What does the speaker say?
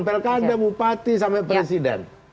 pelkada bupati sampai presiden